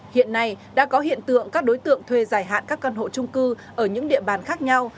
hiện nay đã có hiện tượng các đối tượng thuê dài hạn các căn hộ trung cư ở những địa bàn khác nhau